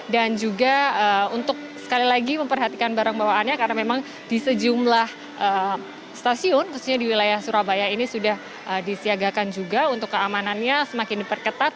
dan juga untuk sekali lagi memperhatikan barang bawaannya karena memang di sejumlah stasiun khususnya di wilayah surabaya ini sudah disiagakan juga untuk keamanannya semakin diperketat